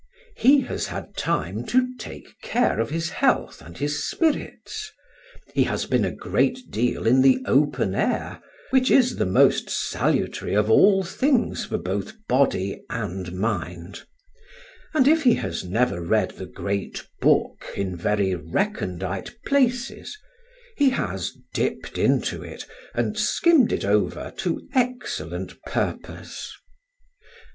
He has had time to take care of his health and his spirits; he has been a great deal in the open air, which is the most salutary of all things for both body and mind; and if he has never read the great Book in very recondite places, he has dipped into it and skimmed it over to excellent purpose.